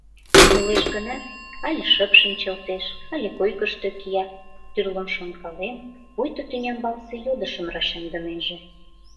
Толеш гынат, але шып шинчылтеш, але койкышто кия, тӱрлым шонкален, пуйто тӱнямбалсе йодышым рашемдынеже.